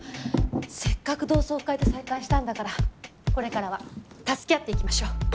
せっかく同窓会で再会したんだからこれからは助け合っていきましょう。